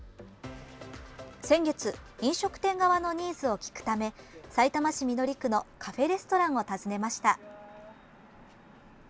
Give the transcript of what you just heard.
先月、飲食店側のニーズを聞くためさいたま市緑区のカフェレストランを訪ねました。